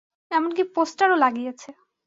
এমনকি পোস্টার ও লাগিয়েছে।